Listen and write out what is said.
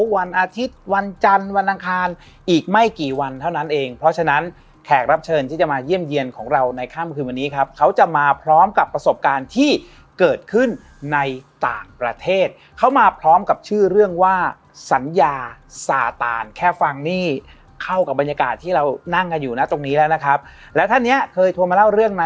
วันอาทิตย์วันจันทร์วันอังคารอีกไม่กี่วันเท่านั้นเองเพราะฉะนั้นแขกรับเชิญที่จะมาเยี่ยมเยี่ยนของเราในค่ำคืนวันนี้ครับเขาจะมาพร้อมกับประสบการณ์ที่เกิดขึ้นในต่างประเทศเขามาพร้อมกับชื่อเรื่องว่าสัญญาสาตานแค่ฟังนี่เข้ากับบรรยากาศที่เรานั่งกันอยู่นะตรงนี้แล้วนะครับและท่านเนี้ยเคยโทรมาเล่าเรื่องนะ